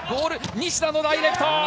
西田ダイレクト。